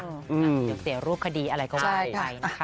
อย่าเสียรูปคดีอะไรก็ไว้ค่ะ